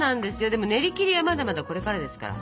でもねりきりはまだまだこれからですから。